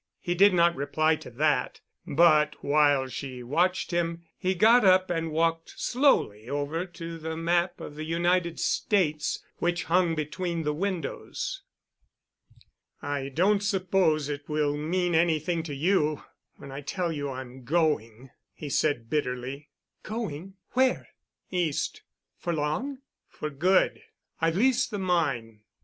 He did not reply to that, but, while she watched him, he got up and walked slowly over to the map of the United States which hung between the windows. "I don't suppose it will mean anything to you when I tell you I'm going," he said bitterly. "Going—where?" "East." "For long?" "For good. I've leased the mine."